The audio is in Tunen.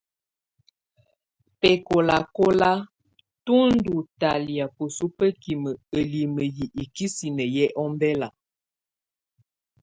Bɛ̀kɔ̀làkɔ̀la, tù ndú ɲtalɛ̀á bǝsu bǝkimǝ ǝlimǝ yɛ ikisinǝ yɛ́ ɔmbɛla.